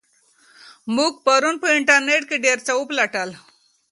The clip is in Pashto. موږ پرون په انټرنیټ کې ډېر څه وپلټل.